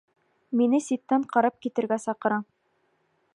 Мине ситтән ҡарап китергә саҡыра.